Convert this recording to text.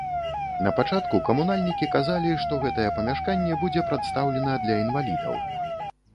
На пачатку камунальнікі казалі, што гэтае памяшканне будзе прадстаўлена для інвалідаў.